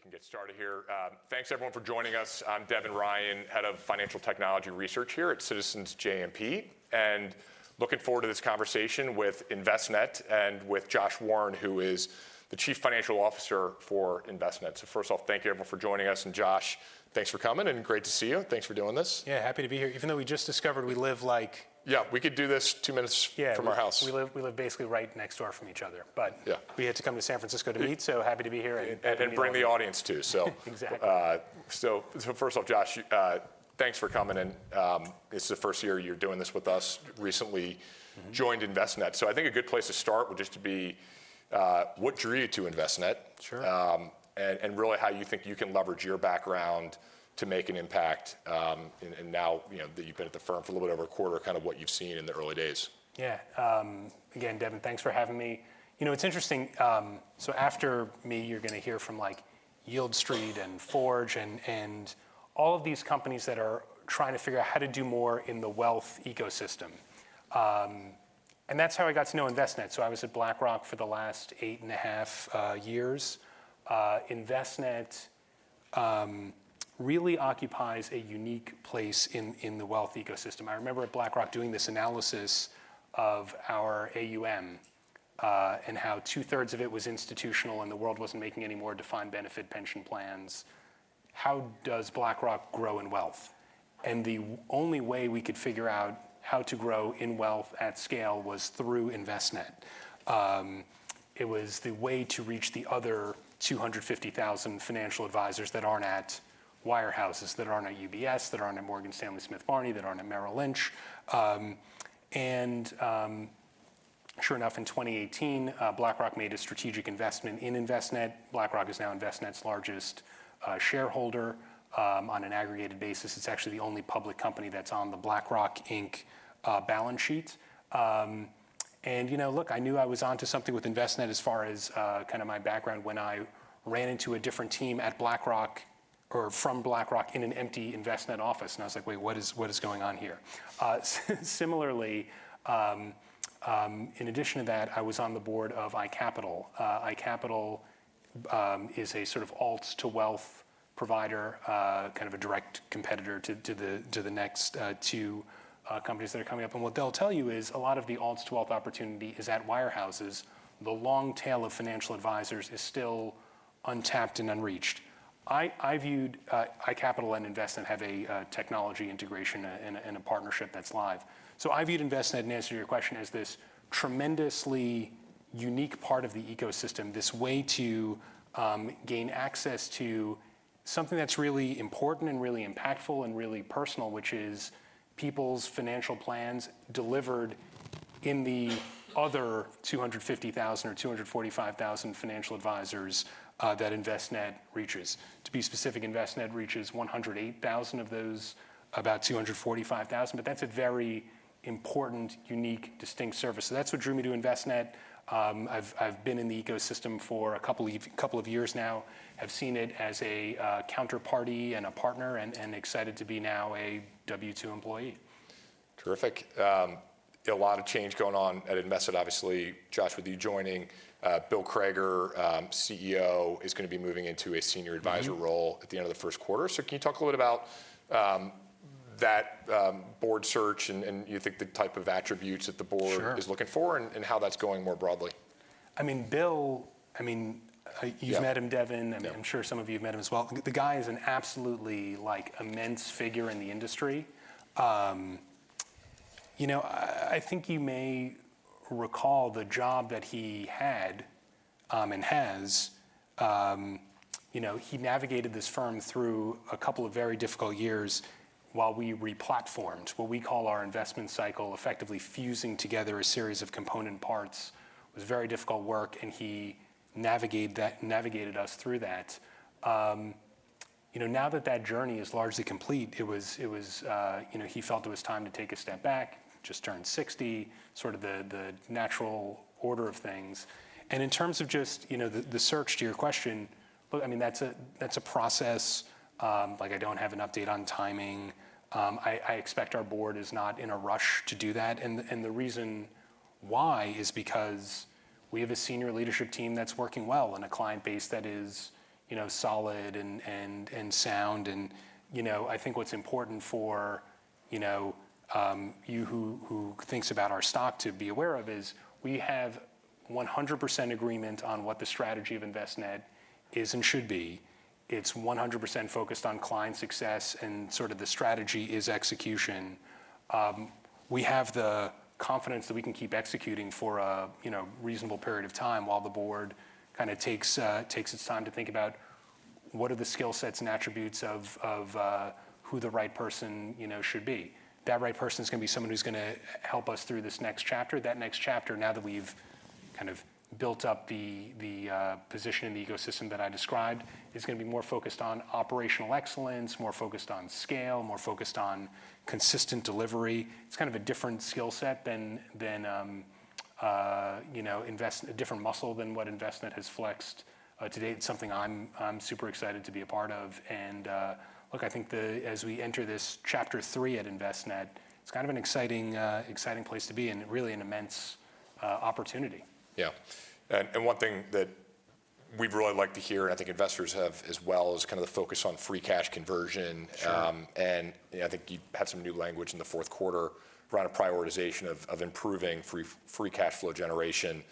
Okay, we can get started here. Thanks, everyone, for joining us. I'm Devin Ryan, Head of Financial Technology Research here at Citizens JMP, and looking forward to this conversation with Envestnet and with Josh Warren, who is the Chief Financial Officer for Envestnet. So first off, thank you everyone for joining us, and Josh, thanks for coming and great to see you. Thanks for doing this. Yeah, happy to be here. Even though we just discovered we live, like. Yeah, we could do this two minutes. Yeah From our house. We live basically right next door from each other. But. Yeah We had to come to San Francisco to meet, so happy to be here and. And bring the audience, too, so. Exactly. So, so first off, Josh, thanks for coming in. It's the first year you're doing this with us, recently. Mm-hmm Joined Envestnet. So I think a good place to start would just be, what drew you to Envestnet? Sure. Really how you think you can leverage your background to make an impact, and now, you know, that you've been at the firm for a little bit over a quarter, kind of what you've seen in the early days. Yeah. Again, Devin, thanks for having me. You know, it's interesting, so after me, you're going to hear from, like, Yieldstreet and Forge, and all of these companies that are trying to figure out how to do more in the wealth ecosystem. And that's how I got to know Envestnet. So I was at BlackRock for the last 8.5 years. Envestnet really occupies a unique place in the wealth ecosystem. I remember at BlackRock doing this analysis of our AUM, and how two-thirds of it was institutional, and the world wasn't making any more defined benefit pension plans. How does BlackRock grow in wealth? And the only way we could figure out how to grow in wealth at scale was through Envestnet. It was the way to reach the other 250,000 financial advisors that aren't at wirehouses, that aren't at UBS, that aren't at Morgan Stanley Smith Barney, that aren't at Merrill Lynch. Sure enough, in 2018, BlackRock made a strategic investment in Envestnet. BlackRock is now Envestnet's largest shareholder. On an aggregated basis, it's actually the only public company that's on the BlackRock Inc. balance sheet. You know, look, I knew I was onto something with Envestnet as far as kind of my background, when I ran into a different team at BlackRock or from BlackRock in an empty Envestnet office, and I was like: "Wait, what is, what is going on here?" Similarly, in addition to that, I was on the board of iCapital. iCapital is a sort of alts to wealth provider, kind of a direct competitor to the next two companies that are coming up. And what they'll tell you is a lot of the alts to wealth opportunity is at wirehouses. The long tail of financial advisors is still untapped and unreached. I viewed iCapital and Envestnet have a technology integration and a partnership that's live. So I viewed Envestnet, and to answer your question, as this tremendously unique part of the ecosystem, this way to gain access to something that's really important and really impactful and really personal, which is people's financial plans delivered in the other 250,000 or 245,000 financial advisors that Envestnet reaches. To be specific, Envestnet reaches 108,000 of those, about 245,000, but that's a very important, unique, distinct service. So that's what drew me to Envestnet. I've been in the ecosystem for a couple of years now, have seen it as a counterparty and a partner, and excited to be now a W-2 employee. Terrific. A lot of change going on at Envestnet, obviously, Josh, with you joining. Bill Crager, CEO, is going to be moving into a senior advisor role. Mm-hmm. At the end of the first quarter. So can you talk a little about, that, board search and you think the type of attributes that the board- Sure Is looking for, and, and how that's going more broadly? I mean, Bill, Yeah You've met him, Devin. Yeah. I'm sure some of you have met him as well. The guy is an absolutely, like, immense figure in the industry. You know, I think you may recall the job that he had, and has. You know, he navigated this firm through a couple of very difficult years while we replatformed, what we call our investment cycle, effectively fusing together a series of component parts. It was very difficult work, and he navigated us through that. You know, now that that journey is largely complete, it was, you know, he felt it was time to take a step back, just turned 60, sort of the natural order of things. In terms of just, you know, the search to your question, look, I mean, that's a process. Like, I don't have an update on timing. I expect our board is not in a rush to do that, and the reason why is because we have a senior leadership team that's working well, and a client base that is, you know, solid and sound. And, you know, I think what's important for, you know, you who thinks about our stock, to be aware of is, we have 100% agreement on what the strategy of Envestnet is and should be. It's 100% focused on client success, and sort of the strategy is execution. We have the confidence that we can keep executing for a, you know, reasonable period of time, while the board kind of takes its time to think about what are the skill sets and attributes of who the right person, you know, should be. That right person is gonna be someone who's gonna help us through this next chapter. That next chapter, now that we've kind of built up the position in the ecosystem that I described, is gonna be more focused on operational excellence, more focused on scale, more focused on consistent delivery. It's kind of a different skill set than, you know, a different muscle than what Envestnet has flexed to date. It's something I'm super excited to be a part of. And, look, I think as we enter this chapter three at Envestnet, it's kind of an exciting, exciting place to be and really an immense opportunity. Yeah. And one thing that we'd really like to hear, and I think investors have as well, is kind of the focus on free cash conversion. Sure. Yeah, I think you had some new language in the fourth quarter around a prioritization of improving free cash flow generation.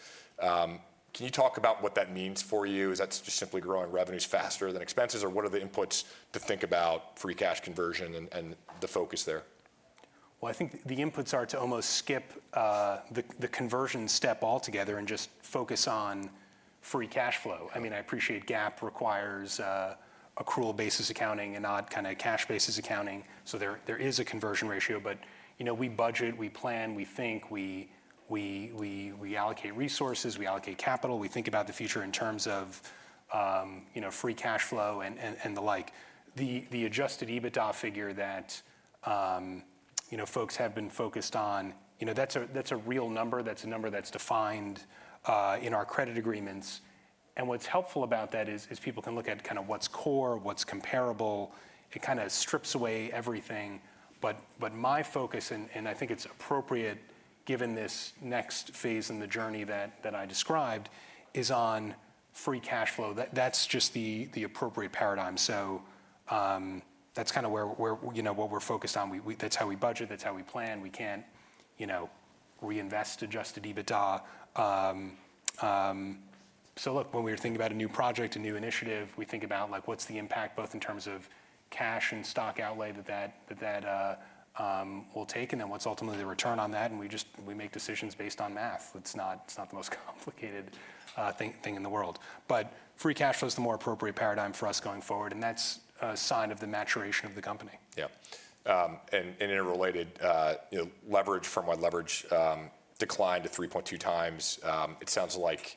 Can you talk about what that means for you? Is that just simply growing revenues faster than expenses, or what are the inputs to think about free cash conversion and the focus there? Well, I think the inputs are to almost skip the conversion step altogether and just focus on free cash flow. Yeah. I mean, I appreciate GAAP requires accrual-basis accounting and odd kind of cash-basis accounting, so there, there is a conversion ratio. But, you know, we budget, we plan, we think, we allocate resources, we allocate capital, we think about the future in terms of, you know, free cash flow and the like. The adjusted EBITDA figure that, you know, folks have been focused on, you know, that's a real number, that's a number that's defined in our credit agreements. And what's helpful about that is people can look at kind of what's core, what's comparable. It kind of strips away everything, but my focus, and I think it's appropriate given this next phase in the journey that I described, is on free cash flow. That's just the appropriate paradigm. So, that's kind of where you know what we're focused on. That's how we budget, that's how we plan. We can't you know reinvest Adjusted EBITDA. So look, when we were thinking about a new project, a new initiative, we think about, like, what's the impact both in terms of cash and stock outlay that will take, and then what's ultimately the return on that, and we make decisions based on math. It's not the most complicated thing in the world. But free cash flow is the more appropriate paradigm for us going forward, and that's a sign of the maturation of the company. Yeah. And, and in a related, you know, leverage from what leverage declined to 3.2 times. It sounds like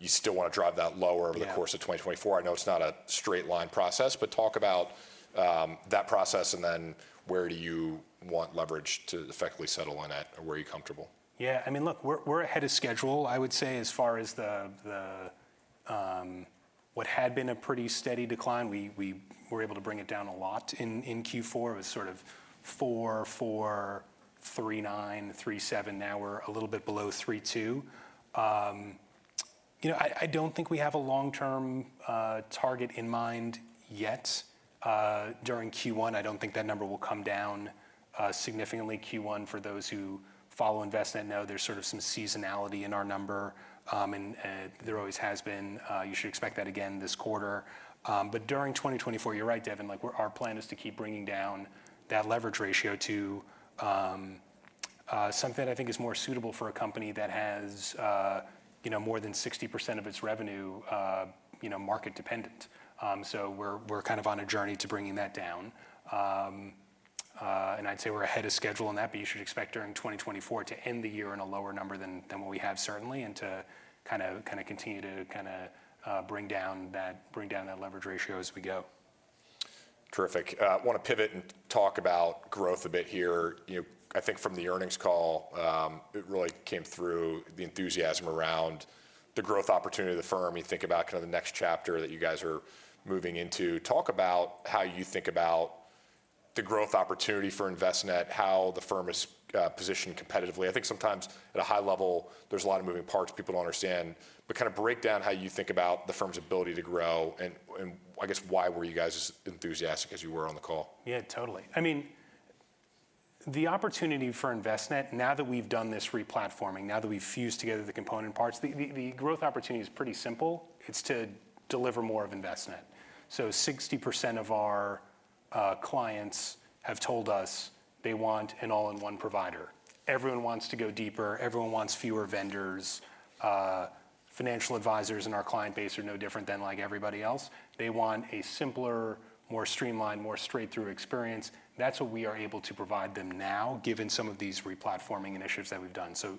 you still want to drive that lower. Yeah Over the course of 2024. I know it's not a straight line process, but talk about that process, and then where do you want leverage to effectively settle in at, and where are you comfortable? Yeah. I mean, look, we're ahead of schedule. I would say as far as the what had been a pretty steady decline, we were able to bring it down a lot in Q4. It was sort of 4.4, 3.9, 3.7, now we're a little bit below 3.2. You know, I don't think we have a long-term target in mind yet. During Q1, I don't think that number will come down significantly. Q1, for those who follow Envestnet, know there's sort of some seasonality in our number, and there always has been. You should expect that again this quarter. But during 2024, you're right, Devin, like, our plan is to keep bringing down that leverage ratio to something I think is more suitable for a company that has you know more than 60% of its revenue you know market dependent. So we're kind of on a journey to bringing that down. And I'd say we're ahead of schedule on that, but you should expect during 2024 to end the year on a lower number than what we have, certainly, and to kind of continue to kinda bring down that leverage ratio as we go. Terrific. I want to pivot and talk about growth a bit here. You know, I think from the earnings call, it really came through the enthusiasm around the growth opportunity of the firm. You think about kind of the next chapter that you guys are moving into. Talk about how you think about the growth opportunity for Envestnet, how the firm is positioned competitively. I think sometimes at a high level, there's a lot of moving parts people don't understand. But kind of break down how you think about the firm's ability to grow, and I guess, why were you guys as enthusiastic as you were on the call? Yeah, totally. I mean, the opportunity for Envestnet, now that we've done this replatforming, now that we've fused together the component parts, the growth opportunity is pretty simple: it's to deliver more of Envestnet. So 60% of our clients have told us they want an all-in-one provider. Everyone wants to go deeper, everyone wants fewer vendors. Financial advisors in our client base are no different than like everybody else. They want a simpler, more streamlined, more straight-through experience. That's what we are able to provide them now, given some of these replatforming initiatives that we've done. So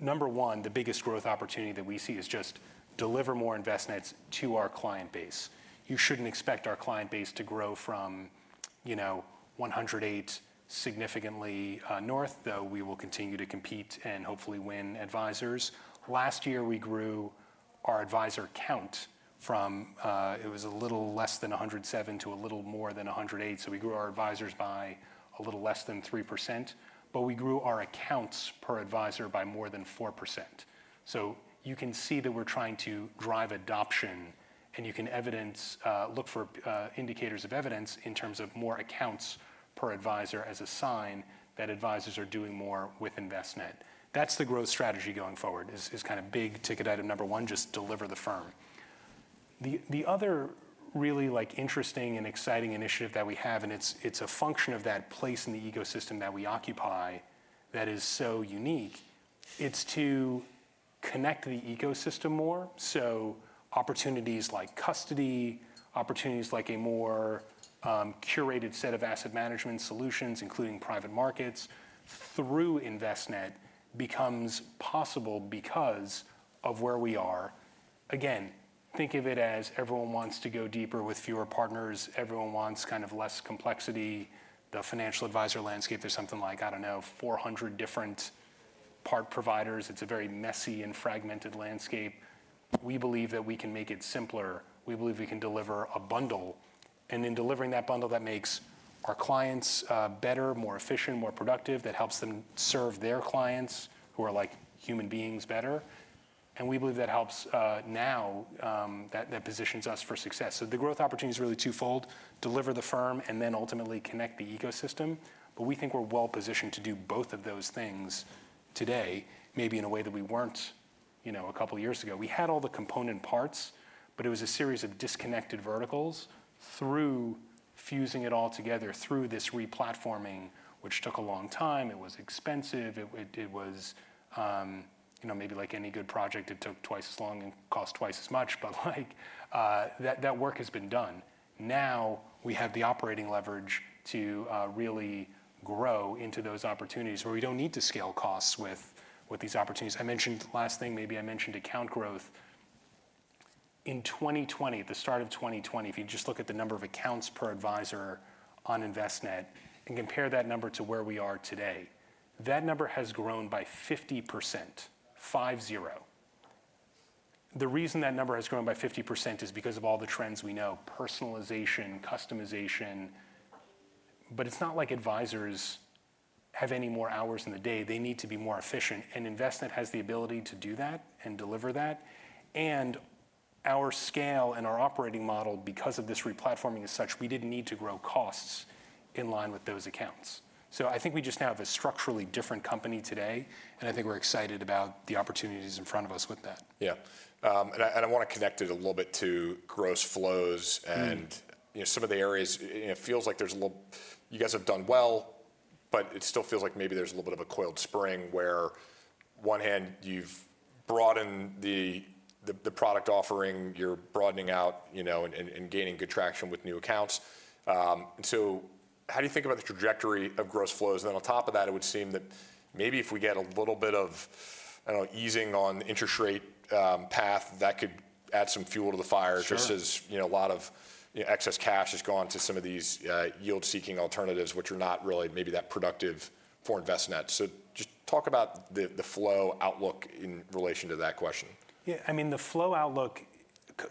number one, the biggest growth opportunity that we see is just deliver more Envestnets to our client base. You shouldn't expect our client base to grow from, you know, 108, significantly north, though we will continue to compete and hopefully win advisors. Last year, we grew our advisor count from, it was a little less than 107 to a little more than 108, so we grew our advisors by a little less than 3%, but we grew our accounts per advisor by more than 4%. So you can see that we're trying to drive adoption, and you can evidence, look for, indicators of evidence in terms of more accounts per advisor as a sign that advisors are doing more with Envestnet. That's the growth strategy going forward, is, is kind of big ticket item number one, just deliver the firm. The other really, like, interesting and exciting initiative that we have, and it's a function of that place in the ecosystem that we occupy that is so unique, it's to connect the ecosystem more. So opportunities like custody, opportunities like a more, curated set of asset management solutions, including private markets, through Envestnet, becomes possible because of where we are. Again, think of it as everyone wants to go deeper with fewer partners, everyone wants kind of less complexity. The financial advisor landscape is something like, I don't know, 400 different party providers. It's a very messy and fragmented landscape. We believe that we can make it simpler. We believe we can deliver a bundle... and in delivering that bundle that makes our clients, better, more efficient, more productive, that helps them serve their clients, who are like human beings, better. And we believe that helps, that, that positions us for success. So the growth opportunity is really twofold: deliver the firm and then ultimately connect the ecosystem. But we think we're well positioned to do both of those things today, maybe in a way that we weren't, you know, a couple of years ago. We had all the component parts, but it was a series of disconnected verticals through fusing it all together through this re-platforming, which took a long time, it was expensive, it was, you know, maybe like any good project, it took twice as long and cost twice as much, but like, that work has been done. Now, we have the operating leverage to really grow into those opportunities where we don't need to scale costs with these opportunities. I mentioned, last thing, maybe I mentioned account growth. In 2020, at the start of 2020, if you just look at the number of accounts per advisor on Envestnet, and compare that number to where we are today, that number has grown by 50%, 50. The reason that number has grown by 50% is because of all the trends we know, personalization, customization, but it's not like advisors have any more hours in the day. They need to be more efficient, and Envestnet has the ability to do that and deliver that. Our scale and our operating model, because of this re-platforming as such, we didn't need to grow costs in line with those accounts. I think we just now have a structurally different company today, and I think we're excited about the opportunities in front of us with that. Yeah. And I want to connect it a little bit to gross flows. Mm. And, you know, some of the areas, it feels like there's a little—you guys have done well, but it still feels like maybe there's a little bit of a coiled spring, where one hand, you've broadened the product offering, you're broadening out, you know, and gaining good traction with new accounts. So how do you think about the trajectory of gross flows? Then on top of that, it would seem that maybe if we get a little bit of, I don't know, easing on the interest rate path, that could add some fuel to the fire. Sure. Just as, you know, a lot of, you know, excess cash has gone to some of these, yield-seeking alternatives, which are not really maybe that productive for Envestnet. So just talk about the flow outlook in relation to that question. Yeah, I mean, the flow outlook,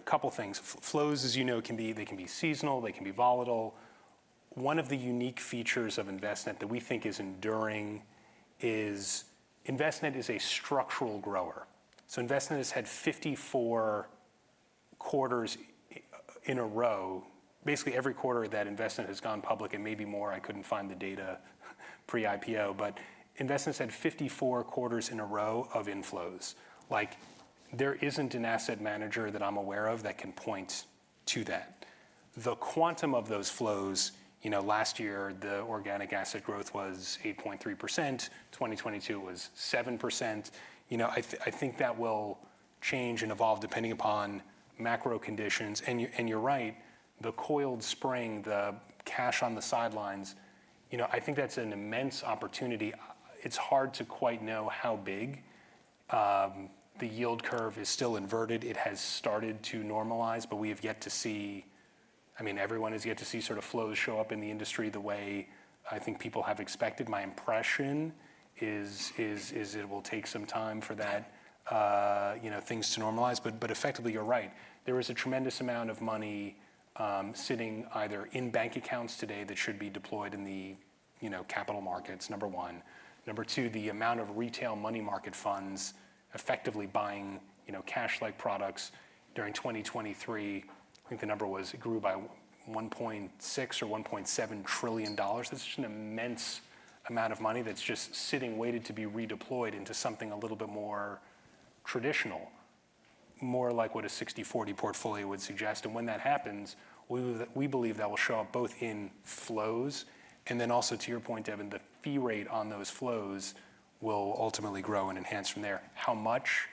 couple things. Flows, as you know, can be, they can be seasonal, they can be volatile. One of the unique features of Envestnet that we think is enduring is Envestnet is a structural grower. So Envestnet has had 54 quarters in a row, basically every quarter that Envestnet has gone public, and maybe more, I couldn't find the data pre-IPO, but Envestnet's had 54 quarters in a row of inflows. Like, there isn't an asset manager that I'm aware of that can point to that. The quantum of those flows, you know, last year, the organic asset growth was 8.3%, 2022 was 7%. You know, I think that will change and evolve depending upon macro conditions. And you're right, the coiled spring, the cash on the sidelines, you know, I think that's an immense opportunity. It's hard to quite know how big. The yield curve is still inverted. It has started to normalize, but we have yet to see... I mean, everyone has yet to see sort of flows show up in the industry the way I think people have expected. My impression is it will take some time for that, you know, things to normalize, but effectively, you're right. There is a tremendous amount of money sitting either in bank accounts today that should be deployed in the, you know, capital markets, number one. Number two, the amount of retail money market funds effectively buying, you know, cash-like products during 2023, I think the number was it grew by $1.6 trillion or $1.7 trillion. That's just an immense amount of money that's just sitting, waiting to be redeployed into something a little bit more traditional, more like what a 60/40 portfolio would suggest. And when that happens, we, we believe that will show up both in flows, and then also, to your point, Devin, the fee rate on those flows will ultimately grow and enhance from there. How much?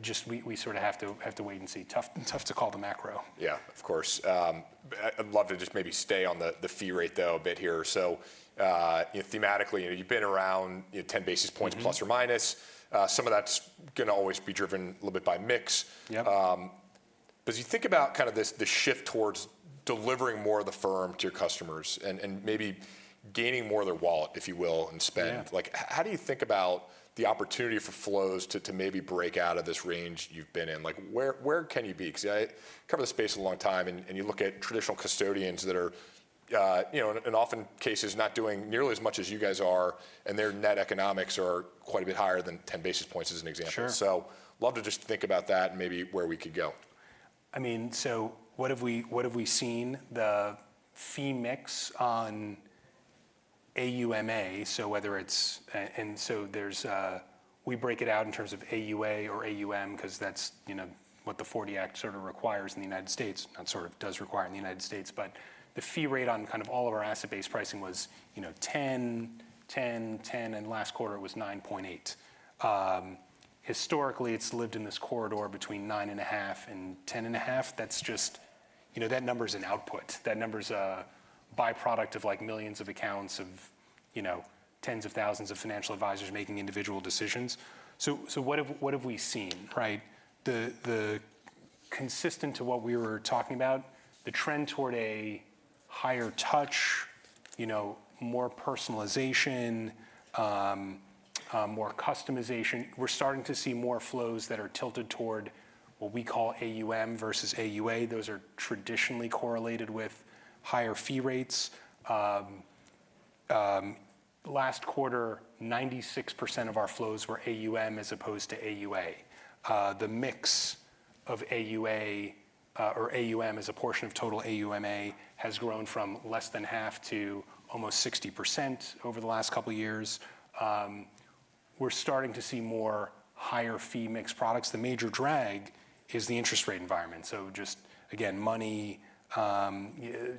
Just we, we sort of have to, have to wait and see. Tough, tough to call the macro. Yeah, of course. I'd love to just maybe stay on the fee rate, though, a bit here. So, you know, thematically, you've been around, you know, 10 basis points- Mm. Plus or minus. Some of that's gonna always be driven a little bit by mix. Yep. But as you think about kind of this shift towards delivering more of the firm to your customers and maybe gaining more of their wallet, if you will, and spend- Yeah. Like, how do you think about the opportunity for flows to, to maybe break out of this range you've been in? Like, where, where can you be? 'Cause I covered the space a long time, and, and you look at traditional custodians that are, you know, in often cases, not doing nearly as much as you guys are, and their net economics are quite a bit higher than 10 basis points, as an example. Sure. So love to just think about that and maybe where we could go. I mean, so what have we, what have we seen? The fee mix on AUMA, so whether it's, and so there's, we break it out in terms of AUA or AUM, 'cause that's, you know, what the '40 Act sort of requires in the United States, not sort of, does require in the United States. But the fee rate on kind of all of our asset-based pricing was, you know, 10, 10, 10, and last quarter was 9.8. Historically, it's lived in this corridor between 9.5 and 10.5. That's just. You know, that number is an output. That number is a by-product of, like, millions of accounts of, you know, tens of thousands of financial advisors making individual decisions. So, so what have, what have we seen? Right. Consistent to what we were talking about, the trend toward a higher touch you know, more personalization, more customization. We're starting to see more flows that are tilted toward what we call AUM versus AUA. Those are traditionally correlated with higher fee rates. Last quarter, 96% of our flows were AUM as opposed to AUA. The mix of AUA or AUM as a portion of total AUMA has grown from less than half to almost 60% over the last couple of years. We're starting to see more higher fee mixed products. The major drag is the interest rate environment. So just again,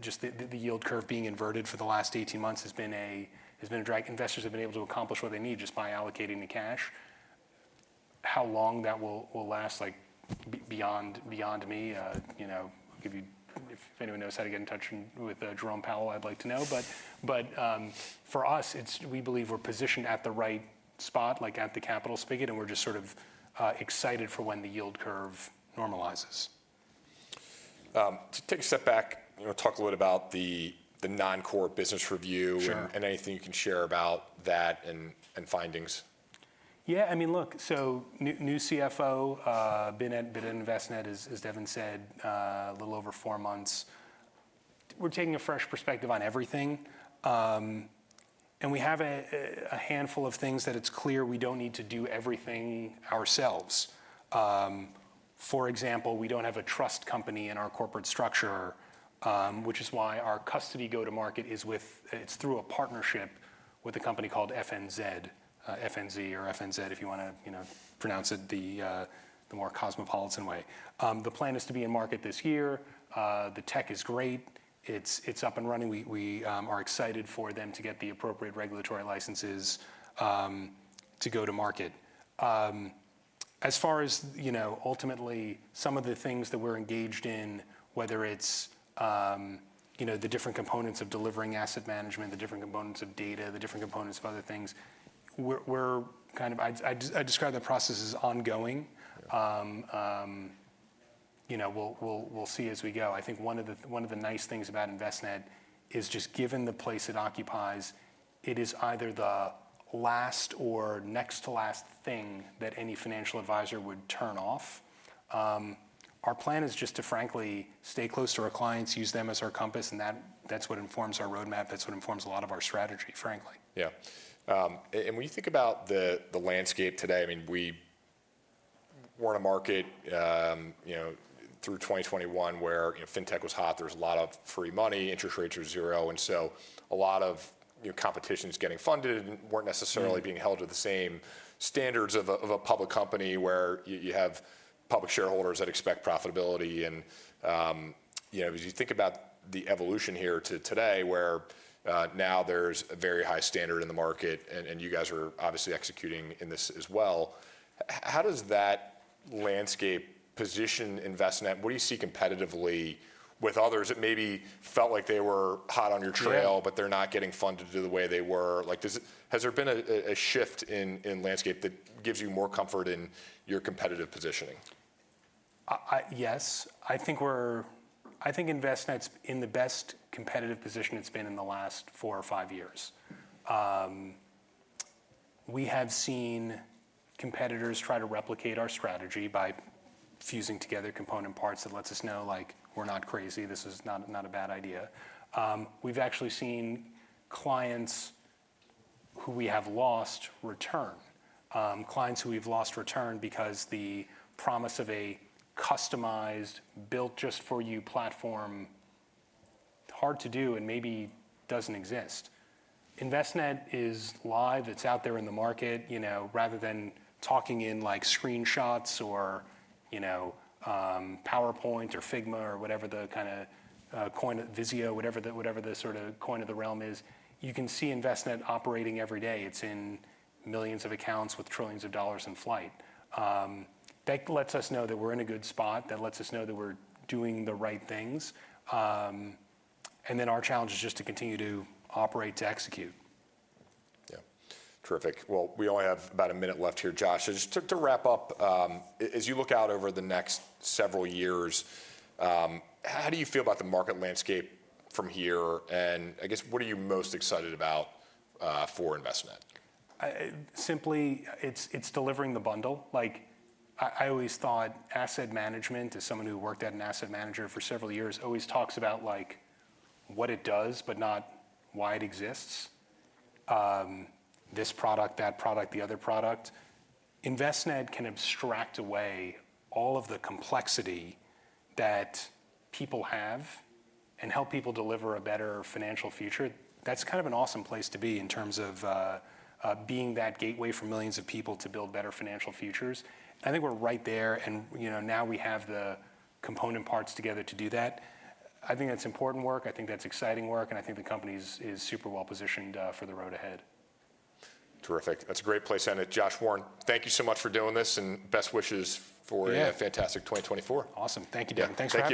just the yield curve being inverted for the last 18 months has been a drag. Investors have been able to accomplish what they need just by allocating the cash. How long that will last, like, beyond me, you know, if anyone knows how to get in touch with Jerome Powell, I'd like to know. But, for us, it's we believe we're positioned at the right spot, like, at the capital spigot, and we're just sort of excited for when the yield curve normalizes. To take a step back, you know, talk a little about the non-core business review. Sure. And anything you can share about that and, and findings. Yeah, I mean, look, so new CFO, been at Envestnet, as Devin said, a little over four months. We're taking a fresh perspective on everything. And we have a handful of things that it's clear we don't need to do everything ourselves. For example, we don't have a trust company in our corporate structure, which is why our custody go-to-market is through a partnership with a company called FNZ, F-N-Z or F-N-Zed, if you wanna, you know, pronounce it the more cosmopolitan way. The plan is to be in market this year. The tech is great. It's up and running. We are excited for them to get the appropriate regulatory licenses to go to market. As far as, you know, ultimately, some of the things that we're engaged in, whether it's, you know, the different components of delivering asset management, the different components of data, the different components of other things, we're kind of. I'd describe the process as ongoing. Yeah. You know, we'll see as we go. I think one of the nice things about Envestnet is just given the place it occupies, it is either the last or next to last thing that any financial advisor would turn off. Our plan is just to frankly stay close to our clients, use them as our compass, and that's what informs our roadmap, that's what informs a lot of our strategy, frankly. Yeah. And when you think about the landscape today, I mean, we were in a market, you know, through 2021, where, you know, fintech was hot, there was a lot of free money, interest rates were zero, and so a lot of, you know, competition is getting funded and weren't necessarily- Mm. Being held to the same standards of a public company, where you have public shareholders that expect profitability and, you know, as you think about the evolution here to today, where now there's a very high standard in the market, and you guys are obviously executing in this as well. How does that landscape position Envestnet? What do you see competitively with others that maybe felt like they were hot on y.our trail? Yeah But they're not getting funded the way they were? Like, has there been a shift in landscape that gives you more comfort in your competitive positioning? Yes, I think Envestnet's in the best competitive position it's been in the last four or five years. We have seen competitors try to replicate our strategy by fusing together component parts. That lets us know, like, we're not crazy, this is not, not a bad idea. We've actually seen clients who we have lost return. Clients who we've lost return because the promise of a customized, built just for you platform, hard to do and maybe doesn't exist. Envestnet is live. It's out there in the market, you know, rather than talking in, like, screenshots or, you know, PowerPoint or Figma or whatever the kinda, coin, Visio, whatever the, whatever the sort of coin of the realm is, you can see Envestnet operating every day. It's in millions of accounts with trillions of dollars in flight. That lets us know that we're in a good spot, that lets us know that we're doing the right things, and then our challenge is just to continue to operate, to execute. Yeah. Terrific. Well, we only have about a minute left here, Josh. So just to wrap up, as you look out over the next several years, how do you feel about the market landscape from here, and I guess, what are you most excited about for Envestnet? Simply, it's delivering the bundle. Like, I always thought asset management, as someone who worked at an asset manager for several years, always talks about, like, what it does, but not why it exists. This product, that product, the other product. Envestnet can abstract away all of the complexity that people have and help people deliver a better financial future. That's kind of an awesome place to be in terms of being that gateway for millions of people to build better financial futures. I think we're right there, and you know, now we have the component parts together to do that. I think that's important work, I think that's exciting work, and I think the company is super well positioned for the road ahead. Terrific. That's a great place to end it. Josh Warren, thank you so much for doing this, and best wishes for. Yeah A fantastic 2024. Awesome. Thank you, Devin. Yeah. Thanks for having me.